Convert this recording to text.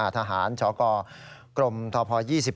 ทหารชกทพ๒๓